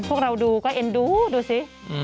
พวกเราดูก็เอ็นดูดูสิ